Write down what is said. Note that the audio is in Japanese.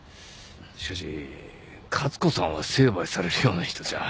しかし勝子さんは成敗されるような人じゃ。